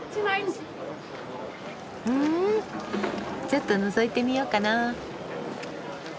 ふんちょっとのぞいてみようかな。